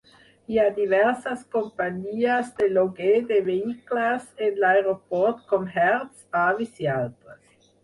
Hi ha diverses companyies de lloguer de vehicles en l'aeroport com Hertz, Avis, i altres.